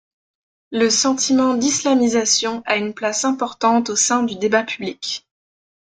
Le sentiment d'islamisation a une place importante au sein du débat public.